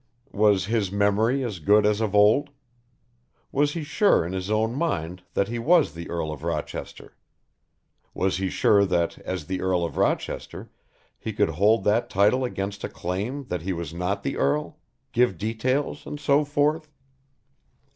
Was his memory as good as of old? Was he sure in his own mind that he was the Earl of Rochester? Was he sure that as the Earl of Rochester he could hold that title against a claim that he was not the Earl? Give details and so forth?